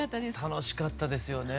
楽しかったですよね